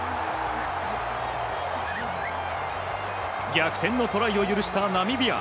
逆転のトライを許したナミビア。